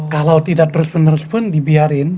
kalau tidak terus menerus pun dibiarin